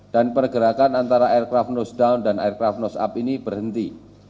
dan pergerakan antara aircraft nose down dan aircraft nose up ini berhenti